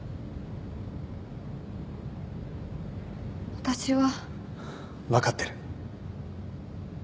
私は。分かってる。